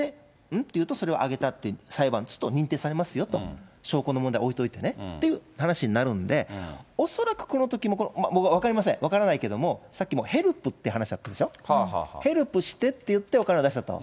って言うと、それはあげたって言うと、裁判で認定されますよと、証拠の問題置いておいてねっていう話になるんで、恐らくこのときも僕は分かりません、分からないけれども、さっきもヘルプっていう話あったでしょ、ヘルプしてって言ってお金を出したと。